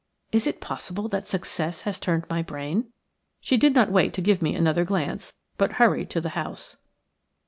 Is it possible that success has turned my brain?" She did not wait to give me another glance, but hurried to the house.